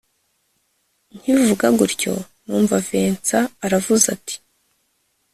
Nkivuga gutyo numva Vincent aravuze ati